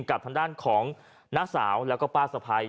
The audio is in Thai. กับทางด้านของน้าสาวแล้วก็ป้าสะพัย